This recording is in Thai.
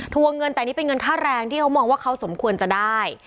วงเงินแต่นี่เป็นเงินค่าแรงที่เขามองว่าเขาสมควรจะได้